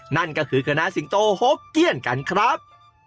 นั่นก็คือคณะสิงโตหกเกี้ยนกันครับ